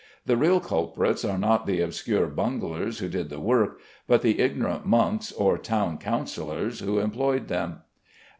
The real culprits are not the obscure bunglers who did the work, but the ignorant monks or town councillors who employed them.